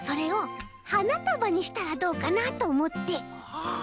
はあ